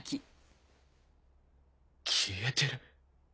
消えてる。